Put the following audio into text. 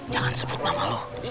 jangan sebut nama lo